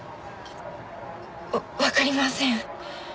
わわかりません。